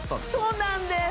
そうなんです。